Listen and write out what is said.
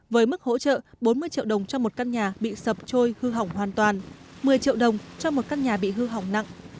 với mức hỗ trợ bốn mươi triệu đồng cho một căn nhà bị sập trôi hư hỏng hoàn toàn một mươi triệu đồng cho một căn nhà bị hư hỏng nặng